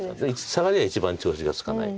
サガリは一番調子がつかない。